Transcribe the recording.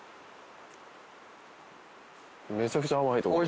めちゃくちゃ甘いと思います。